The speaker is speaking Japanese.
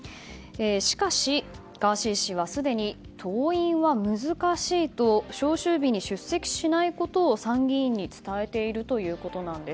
しかし、ガーシー氏はすでに登院は難しいと召集日に出席しないことを参議院に伝えているということです。